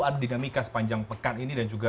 ada dinamika sepanjang pekan ini dan juga